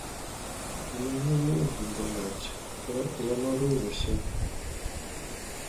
У мяне ногі баляць, я замарылася.